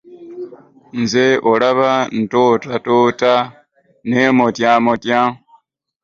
Nze olaba ntootatoota nneemotyamotya.